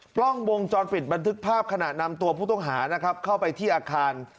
กล้องวงจรปิดบันทึกภาพขณะนำตัวผู้ต้องหานะครับเข้าไปที่อาคาร